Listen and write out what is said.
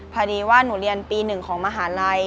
พอดีว่าหนูเรียนปี๑ของมหาลัย